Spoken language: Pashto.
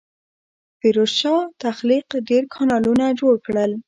فیروز شاه تغلق ډیر کانالونه جوړ کړل.